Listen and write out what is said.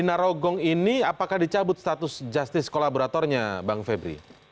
dina rogong ini apakah dicabut status justice collaboratornya bang febri